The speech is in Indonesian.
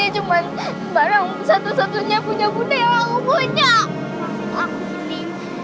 aku harus bawa satu tangan ini